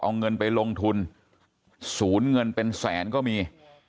เอาเงินไปลงทุนศูนย์เงินเป็นแสนก็มี